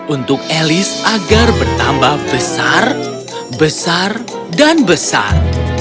untuk elis agar bertambah besar besar dan besar